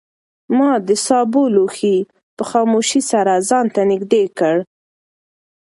ما د سابو لوښی په خاموشۍ سره ځان ته نږدې کړ.